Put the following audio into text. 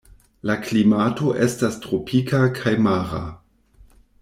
La klimato estas tropika kaj mara.